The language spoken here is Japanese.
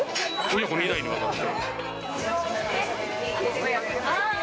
親子２代にわたって。